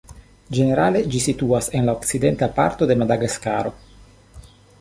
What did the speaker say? Ĝenerale, ĝi situas en la okcidenta parto de Madagaskaro.